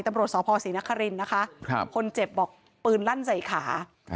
ตำรวจสพศรีนครินนะคะคนเจ็บบอกปืนลั่นใส่ขา